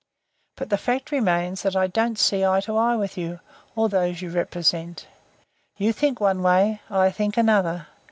But the fact remains that I don't see eye to eye with you, or those you represent. You think one way, I think another.